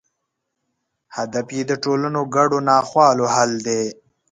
هدف یې د ټولنو ګډو ناخوالو حل دی.